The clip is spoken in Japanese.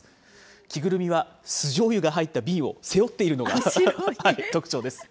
着ぐるみは、酢じょうゆが入った瓶を背負っているのが特徴です。